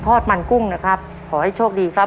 อดมันกุ้งนะครับขอให้โชคดีครับ